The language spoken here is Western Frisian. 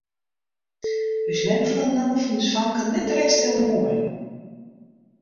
Us mem fûn de namme fan ús famke net drekst hiel moai.